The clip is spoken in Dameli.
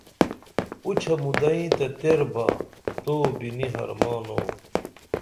اُچھہ مدئیں تہ تیر با تو بِنی حرمانو